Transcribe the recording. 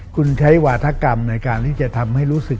คุณใช้วาธกรรมในการที่จะทำให้รู้สึก